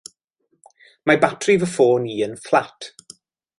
Ma' batri fy ffôn i yn fflat.